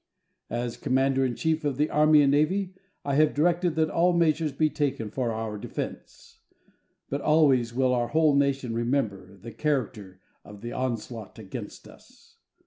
As commander in chief of the Army and Navy, I have directed that all measures be taken for our defense. But always will our whole nation remember the character of the onslaught against us.